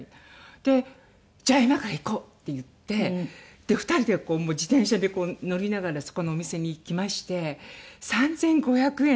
で「じゃあ今から行こう」って言って２人でこう自転車に乗りながらそこのお店に行きまして３５００円の。